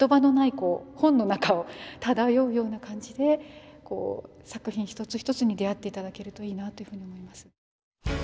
こう本の中を漂うような感じでこう作品一つ一つに出会って頂けるといいなというふうに思います。